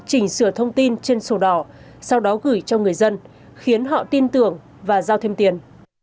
chỉnh sửa thông tin trên sổ đỏ sau đó gửi cho người dân khiến họ tin tưởng và giao thêm tiền